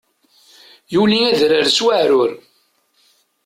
Yuli adrar s weεrur.